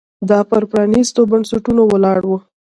دا پر پرانېستو بنسټونو ولاړ و